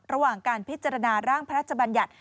ระหว่างการพิจารณาร่างพระราชบัญญัติ